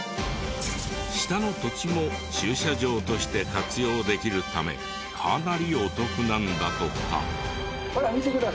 下の土地も駐車場として活用できるためかなりお得なんだとか。